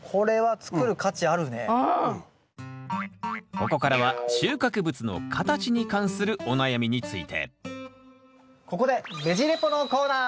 ここからは収穫物の形に関するお悩みについてここでベジ・レポのコーナー！